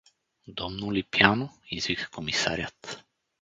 — Домну Липяну? — извика комисарят.